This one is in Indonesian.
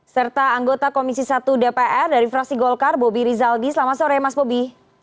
serta anggota komisi satu dpr dari fraksi golkar bobby rizaldi selamat sore mas bobi